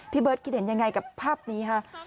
เบิร์ตคิดเห็นยังไงกับภาพนี้ค่ะ